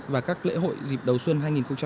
và các lễ hội dịp đầu xuân hai nghìn hai mươi bốn